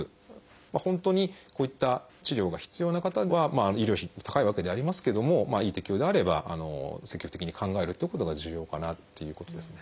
本当にこういった治療が必要な方は医療費高いわけではありますけども適用であれば積極的に考えるってことが重要かなっていうことですね。